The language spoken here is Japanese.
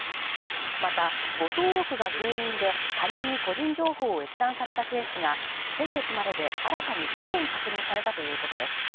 また、誤登録が原因で他人に個人情報を閲覧されたケースが先月までで新たに５件確認されたということです。